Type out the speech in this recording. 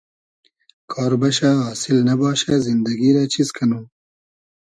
کار بئشۂ آسیل نئباشۂ زیندئگی رۂ چیز کئنوم